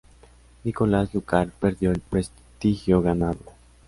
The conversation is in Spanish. Nicolás Lúcar perdió el prestigio ganado.